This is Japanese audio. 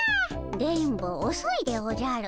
電ボおそいでおじゃる。